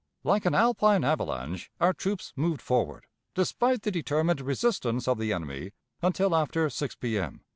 Like an Alpine avalanche our troops moved forward, despite the determined resistance of the enemy, until after 6 P.M.